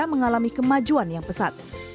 mengalami kemajuan yang pesat